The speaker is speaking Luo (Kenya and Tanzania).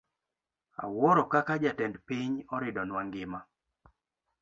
Awuoro kaka jatend piny oridonwa ngima.